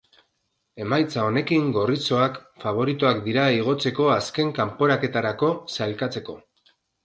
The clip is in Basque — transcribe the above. Emaitza honekin gorritxoak faboritoak dira igotzeko azken kanporaketarako sailkatzeko.